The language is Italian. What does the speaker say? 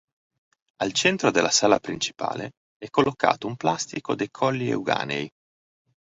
Al centro della sala principale è collocato un plastico dei Colli Euganei.